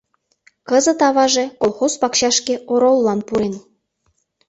Кызыт аваже колхоз пакчашке ороллан пурен.